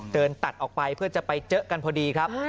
เดินตัดออกไปเพื่อจะไปเจอกันพอดีครับ